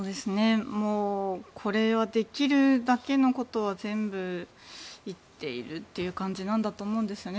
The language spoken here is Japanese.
もうこれはできるだけのことは全部言っているという感じなんだと思うんですよね